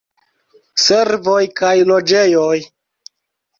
Servoj kaj loĝejoj.